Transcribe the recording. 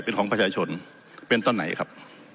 เป็นของประชาชนเป็นต้นไหนครับ